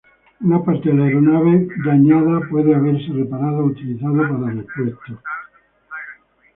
Una parte de la aeronave dañada puede haberse reparado o utilizado para repuestos.